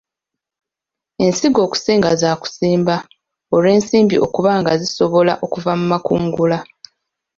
Ensigo okusinga za kusimba olw'ensimbi okuba nga zisobola okuva mu makungula.